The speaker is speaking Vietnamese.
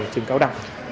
trường cao đẳng